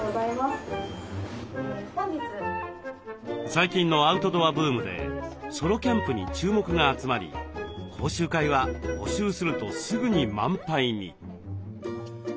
最近のアウトドアブームでソロキャンプに注目が集まり講習会は募集するとすぐに満杯に。